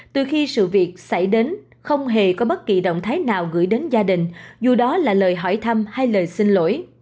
từ khi sự việc xảy đến không hề có bất kỳ động thái nào gửi đến gia đình dù đó là lời hỏi thăm hay lời xin lỗi